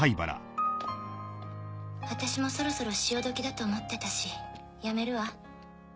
私もそろそろ潮時だと思ってたしやめるわ。